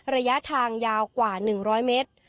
ระยะทางยาวกว่า๑๐๐เมตร